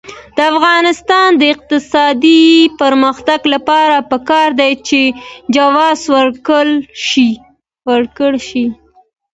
د افغانستان د اقتصادي پرمختګ لپاره پکار ده چې جواز ورکول شي.